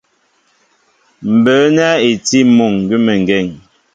Mbə̌ nɛ́ i tí muŋ gʉ́meŋgên.